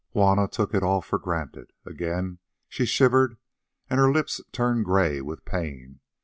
Juanna took it all for granted. Again she shivered, and her lips turned grey with pain.